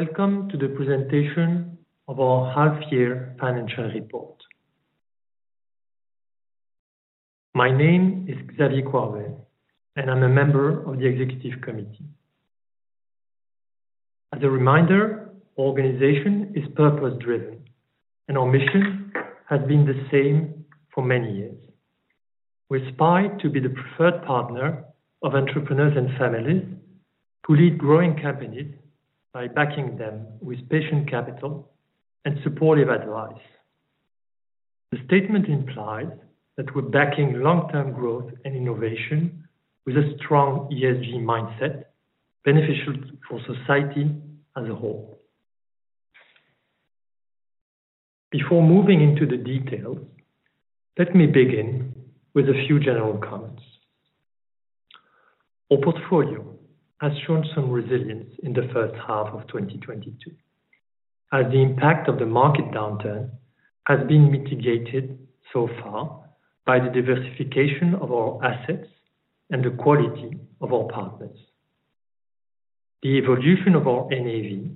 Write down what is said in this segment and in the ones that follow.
Welcome to the presentation of our half year financial report. My name is Xavier Coirbay, and I'm a Member of the Executive Committee. As a reminder, our organization is purpose-driven, and our mission has been the same for many years. We aspire to be the preferred partner of entrepreneurs and families who lead growing companies by backing them with patient capital and supportive advice. The statement implies that we're backing long-term growth and innovation with a strong ESG mindset, beneficial for society as a whole. Before moving into the details, let me begin with a few general comments. Our portfolio has shown some resilience in the first half of 2022, as the impact of the market downturn has been mitigated so far by the diversification of our assets and the quality of our partners. The evolution of our NAV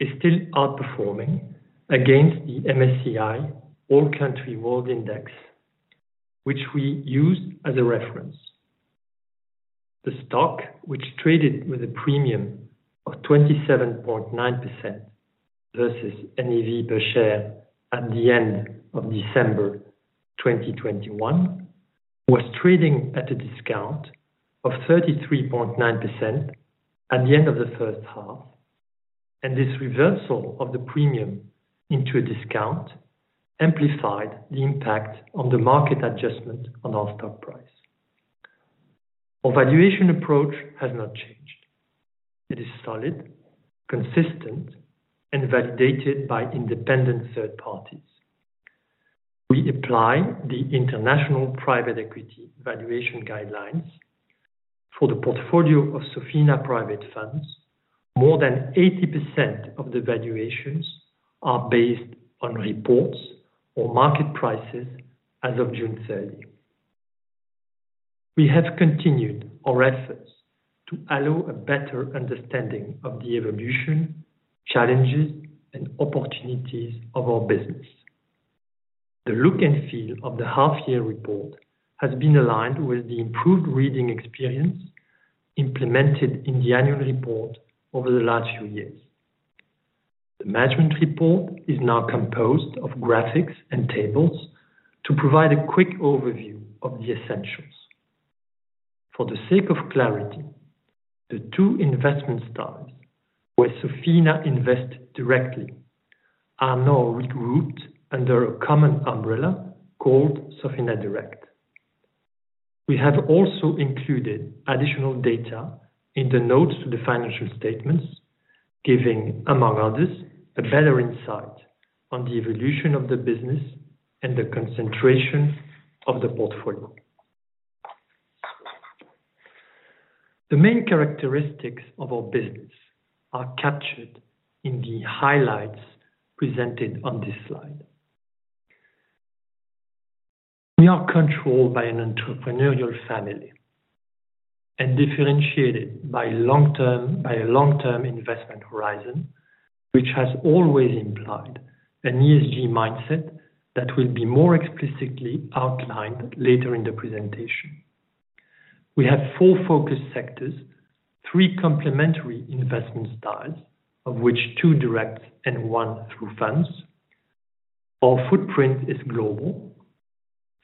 is still outperforming against the MSCI All Country World Index, which we use as a reference. The stock, which traded with a premium of 27.9% versus NAV per share at the end of December 2021, was trading at a discount of 33.9% at the end of the first half. This reversal of the premium into a discount amplified the impact on the market adjustment on our stock price. Our valuation approach has not changed. It is solid, consistent, and validated by independent third parties. We apply the international private equity valuation guidelines. For the portfolio of Sofina private funds, more than 80% of the valuations are based on reports or market prices as of June 30. We have continued our efforts to allow a better understanding of the evolution, challenges, and opportunities of our business. The look and feel of the half year report has been aligned with the improved reading experience implemented in the annual report over the last few years. The management report is now composed of graphics and tables to provide a quick overview of the essentials. For the sake of clarity, the two investment styles where Sofina invest directly are now regrouped under a common umbrella called Sofina Direct. We have also included additional data in the notes to the financial statements, giving, among others, a better insight on the evolution of the business and the concentration of the portfolio. The main characteristics of our business are captured in the highlights presented on this slide. We are controlled by an entrepreneurial family and differentiated by a long-term investment horizon, which has always implied an ESG mindset that will be more explicitly outlined later in the presentation. We have four focus sectors, three complementary investment styles, of which two direct and one through funds. Our footprint is global,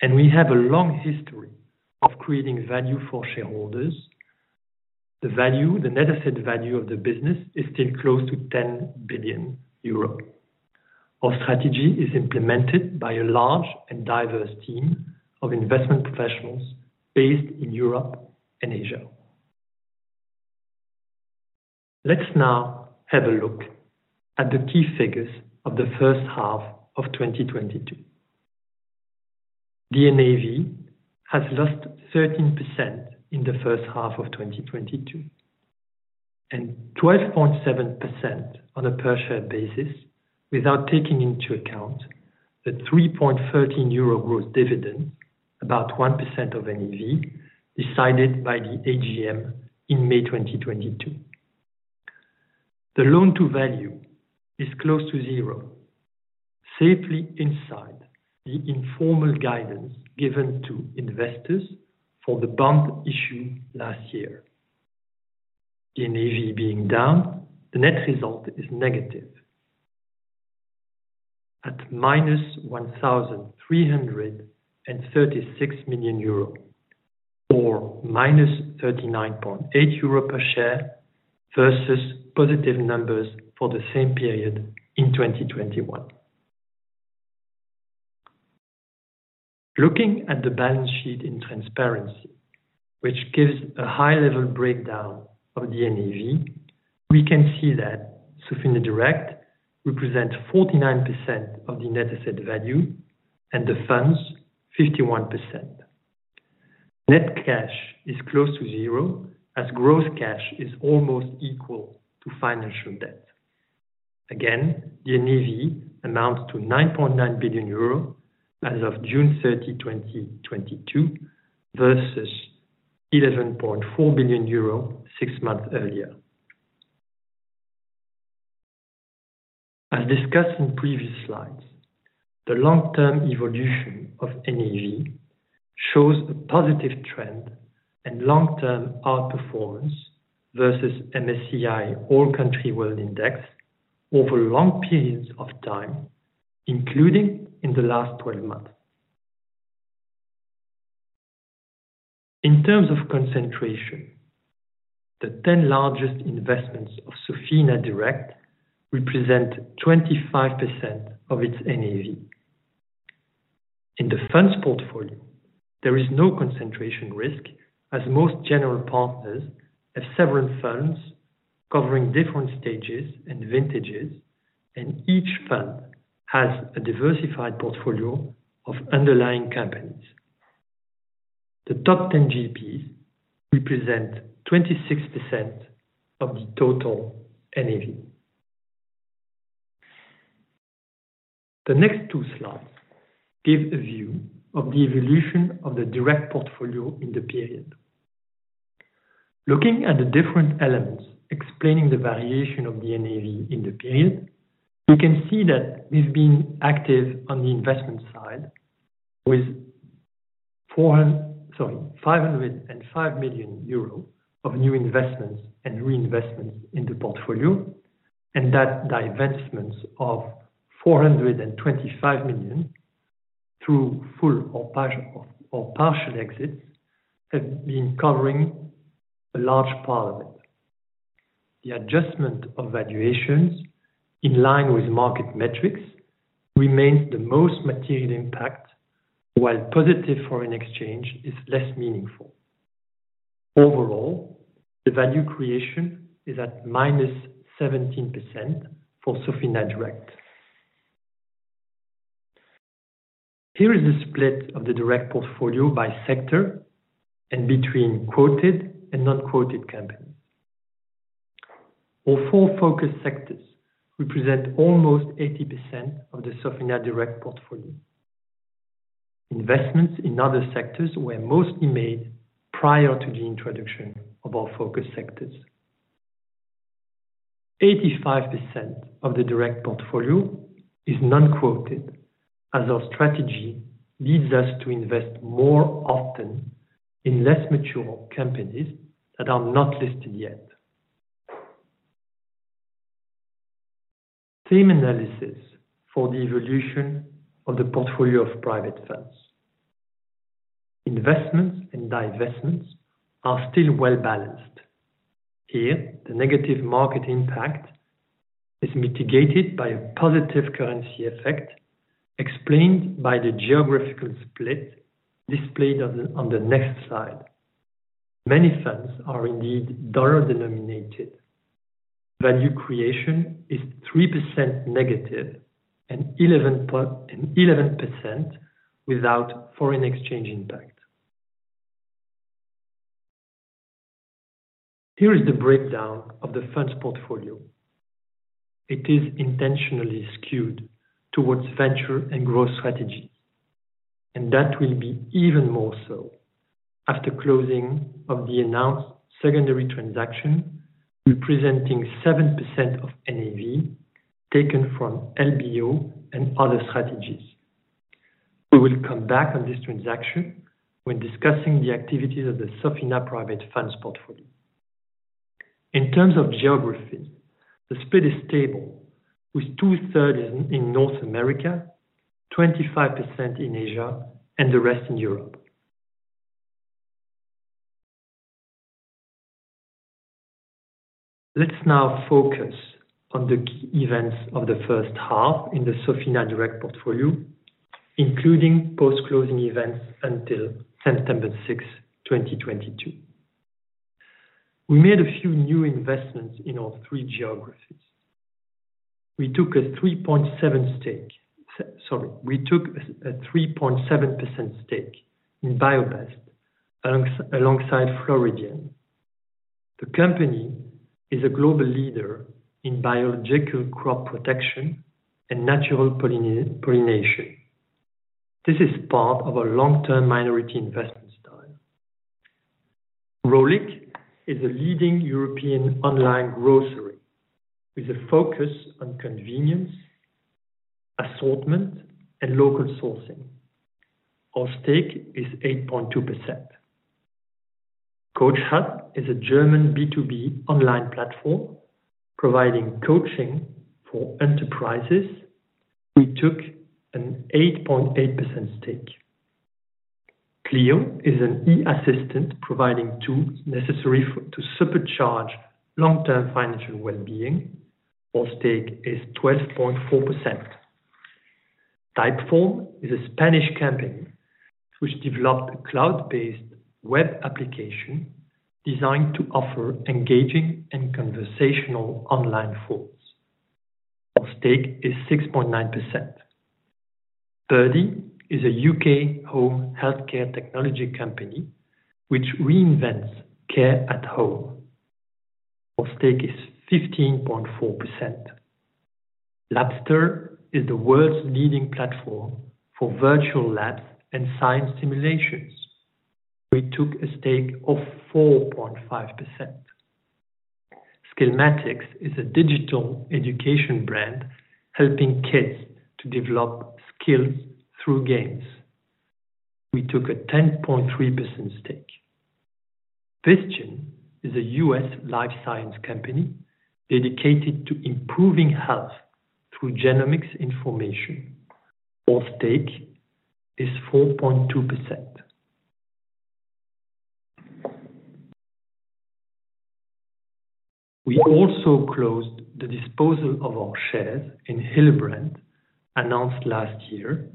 and we have a long history of creating value for shareholders. The net asset value of the business is still close to 10 billion euros. Our strategy is implemented by a large and diverse team of investment professionals based in Europe and Asia. Let's now have a look at the key figures of the first half of 2022. The NAV has lost 13% in the first half of 2022, and 12.7% on a per share basis, without taking into account the 3.13 euro growth dividend, about 1% of NAV, decided by the AGM in May 2022. The loan to value is close to zero, safely inside the informal guidance given to investors for the bond issued last year. The NAV being down, the net result is negative at -1,336 million euro or -39.8 euro per share versus positive numbers for the same period in 2021. Looking at the balance sheet in transparency, which gives a high level breakdown of the NAV, we can see that Sofina Direct represents 49% of the net asset value and the funds 51%. Net cash is close to zero as gross cash is almost equal to financial debt. Again, the NAV amounts to 9.9 billion euro as of June 30, 2022 versus 11.4 billion euro six months earlier. As discussed in previous slides, the long term evolution of NAV shows a positive trend and long term outperformance versus MSCI All Country World Index over long periods of time, including in the last 12 months. In terms of concentration, the 10 largest investments of Sofina Direct represent 25% of its NAV. In the funds portfolio, there is no concentration risk, as most general partners have several funds covering different stages and vintages, and each fund has a diversified portfolio of underlying companies. The top 10 GPs represent 26% of the total NAV. The next 2 slides give a view of the evolution of the direct portfolio in the period. Looking at the different elements explaining the variation of the NAV in the period, we can see that we've been active on the investment side with 505 million euro of new investments and reinvestments in the portfolio, and that divestments of 425 million through full or partial exits have been covering a large part of it. The adjustment of valuations in line with market metrics remains the most material impact, while positive foreign exchange is less meaningful. Overall, the value creation is at -17% for Sofina Direct. Here is the split of the direct portfolio by sector and between quoted and non-quoted companies. Our four focus sectors represent almost 80% of the Sofina Direct portfolio. Investments in other sectors were mostly made prior to the introduction of our focus sectors. 85% of the direct portfolio is non-quoted as our strategy leads us to invest more often in less mature companies that are not listed yet. Same analysis for the evolution of the portfolio of private funds. Investments and divestments are still well balanced. Here, the negative market impact is mitigated by a positive currency effect explained by the geographical split displayed on the next slide. Many funds are indeed dollar-denominated. Value creation is -3% and 11% without foreign exchange impact. Here is the breakdown of the funds portfolio. It is intentionally skewed towards venture and growth strategies, and that will be even more so after closing of the announced secondary transaction representing 7% of NAV taken from LBO and other strategies. We will come back on this transaction when discussing the activities of the Sofina private funds portfolio. In terms of geography, the split is stable with two thirds in North America, 25% in Asia, and the rest in Europe. Let's now focus on the key events of the first half in the Sofina Direct portfolio, including post-closing events until September sixth, 2022. We made a few new investments in our three geographies. We took a 3.7% stake in Biobest alongside Floridienne. The company is a global leader in biological crop protection and natural pollination. This is part of our long-term minority investment style. Rohlik is a leading European online grocery with a focus on convenience, assortment, and local sourcing. Our stake is 8.2%. CoachHub is a German B2B online platform providing coaching for enterprises. We took an 8.8% stake. Cleo is an AI assistant providing tools necessary to supercharge long-term financial well-being. Our stake is 12.4%. Typeform is a Spanish company which developed a cloud-based web application designed to offer engaging and conversational online forms. Our stake is 6.9%. Birdie is a UK home healthcare technology company which reinvents care at home. Our stake is 15.4%. Labster is the world's leading platform for virtual labs and science simulations. We took a stake of 4.5%. Skillmatics is a digital education brand helping kids to develop skills through games. We took a 10.3% stake. Fission is a US life science company dedicated to improving health through genomics information. Our stake is 4.2%. We also closed the disposal of our shares in Hillebrand, announced last year,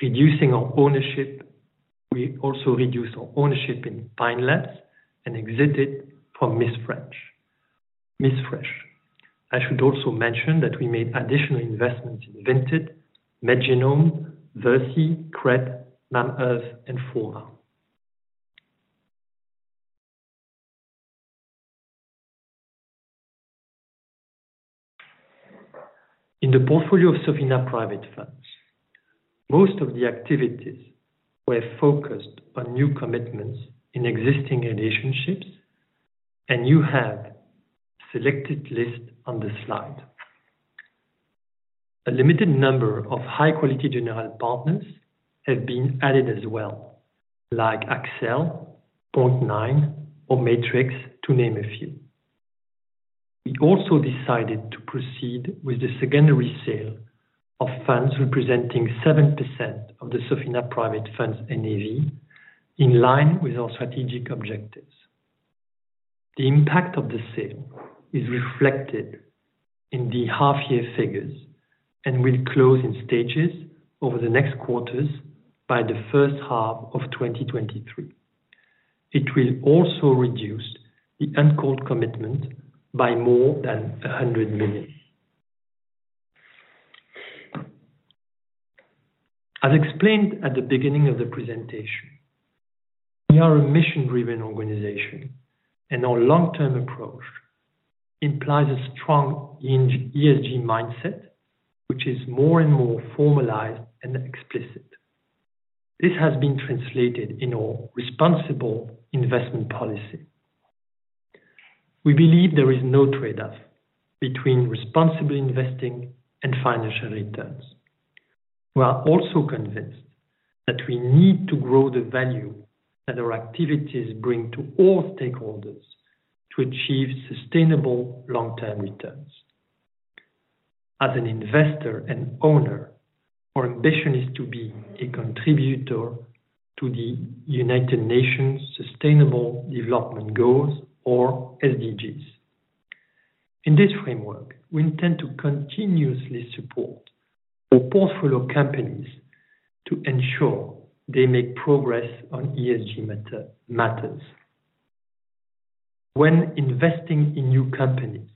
reducing our ownership. We also reduced our ownership in Fine Labs and exited from MissFresh. I should also mention that we made additional investments in Vinted, MedGenome, Verily, CRED, Mamaearth, and Fauna. In the portfolio of Sofina private funds, most of the activities were focused on new commitments in existing relationships, and you have selected list on the slide. A limited number of high-quality general partners have been added as well, like Accel, Point Nine Capital, or Matrix, to name a few. We also decided to proceed with the secondary sale of funds representing 7% of the Sofina private funds NAV, in line with our strategic objectives. The impact of the sale is reflected in the half-year figures and will close in stages over the next quarters by the first half of 2023. It will also reduce the uncalled commitment by more than 100 million. As explained at the beginning of the presentation, we are a mission-driven organization, and our long-term approach implies a strong ESG mindset, which is more and more formalized and explicit. This has been translated in our responsible investment policy. We believe there is no trade-off between responsible investing and financial returns. We are also convinced that we need to grow the value that our activities bring to all stakeholders to achieve sustainable long-term returns. As an investor and owner, our ambition is to be a contributor to the United Nations Sustainable Development Goals or SDGs. In this framework, we intend to continuously support our portfolio companies to ensure they make progress on ESG matters. When investing in new companies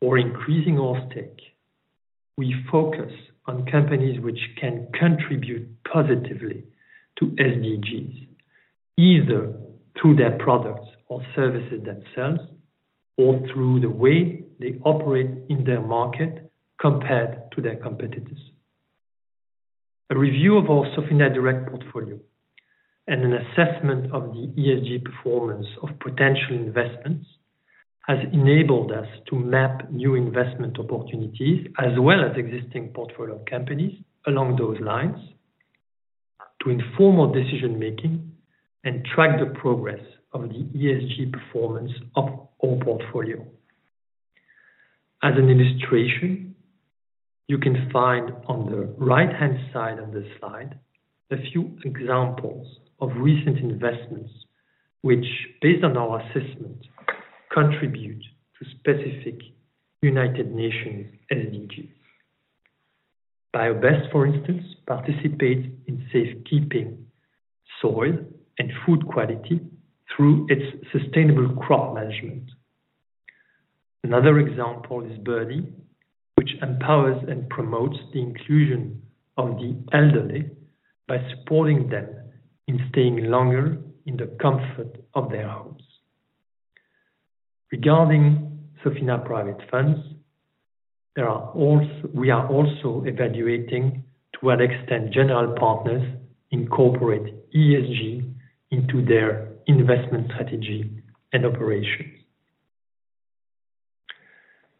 or increasing our stake, we focus on companies which can contribute positively to SDGs, either through their products or services themselves, or through the way they operate in their market compared to their competitors. A review of our Sofina Direct portfolio and an assessment of the ESG performance of potential investments has enabled us to map new investment opportunities, as well as existing portfolio companies along those lines to inform our decision-making and track the progress of the ESG performance of our portfolio. As an illustration, you can find on the right-hand side of the slide a few examples of recent investments which, based on our assessment, contribute to specific United Nations SDGs. Biobest, for instance, participates in safekeeping soil and food quality through its sustainable crop management. Another example is Birdie, which empowers and promotes the inclusion of the elderly by supporting them in staying longer in the comfort of their homes. Regarding Sofina private funds, we are also evaluating to what extent general partners incorporate ESG into their investment strategy and operations.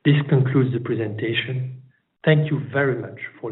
This concludes the presentation. Thank you very much for your attention.